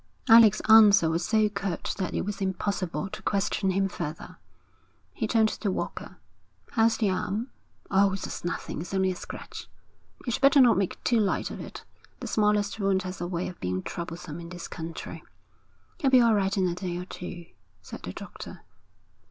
Alec's answer was so curt that it was impossible to question him further. He turned to Walker. 'How's the arm?' 'Oh, that's nothing. It's only a scratch.' 'You'd better not make too light of it. The smallest wound has a way of being troublesome in this country.' 'He'll be all right in a day or two,' said the doctor.